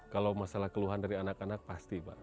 kalau masalah keluhan dari anak anak pak harus dikawal